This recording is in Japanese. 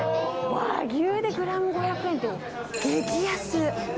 和牛でグラム５００円って、激安！